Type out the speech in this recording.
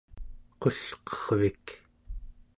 qulqervik